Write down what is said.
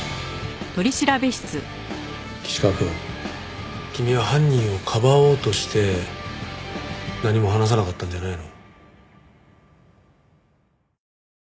岸川くん君は犯人をかばおうとして何も話さなかったんじゃないの？